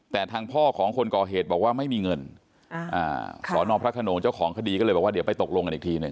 แต่ทางพ่อของคนก่อเหตุบอกว่าไม่มีเงินสอนอพระขนงเจ้าของคดีก็เลยบอกว่าเดี๋ยวไปตกลงกันอีกทีหนึ่ง